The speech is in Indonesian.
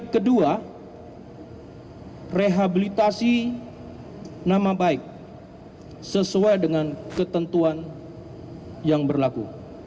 kedua rehabilitasi nama baik sesuai dengan ketentuan yang berlaku